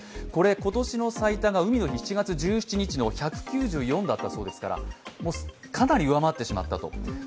今年の最多が７月１７日の１９４でしたからかなり上回ってしまったと。